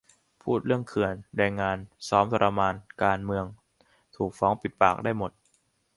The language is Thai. พูดเรื่องเขื่อน แรงงาน ซ้อมทรมาน การเมือง ถูก ฟ้องปิดปาก ได้หมด